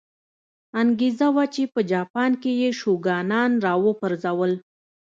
انګېزه وه چې په جاپان کې یې شوګانان را وپرځول.